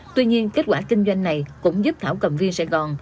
tuy nhiên kết quả kinh doanh này cũng giúp thảo cầm viên sài gòn